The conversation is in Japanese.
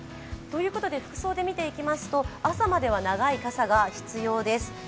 服装で見ていきますと、朝までは長い傘が必要です。